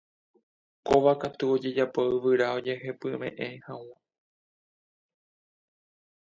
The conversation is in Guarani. Kóva katu ojejapo yvyra ojehepymeʼẽ hag̃ua.